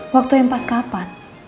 waktu yang pas kapan